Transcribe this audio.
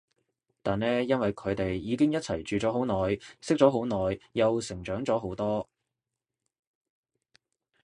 但呢因為佢哋已經一齊住咗好耐，識咗好耐，又成長咗好多